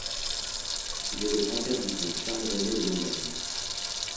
Il est le grand-père du comte Charles-René de Bombelles.